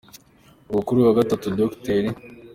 Ubwo kuri uyu wa Gatatu Dr.